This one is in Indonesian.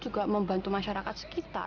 juga membantu masyarakat sekitar